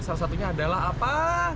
salah satunya adalah apa